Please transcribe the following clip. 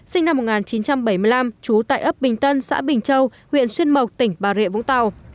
sinh năm một nghìn chín trăm bảy mươi năm trú tại ấp bình tân xã bình châu huyện xuyên mộc tỉnh bà rịa vũng tàu